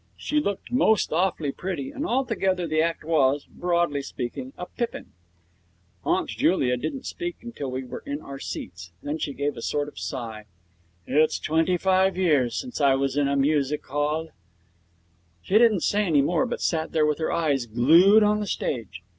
She looked most awfully pretty; and altogether the act was, broadly speaking, a pippin. Aunt Julia didn't speak till we were in our seats. Then she gave a sort of sigh. 'It's twenty five years since I was in a music hall!' She didn't say any more, but sat there with her eyes glued on the stage.